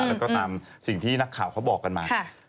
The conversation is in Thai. แล้วก็ตามสิ่งที่นักข่าวเขาบอกกันมา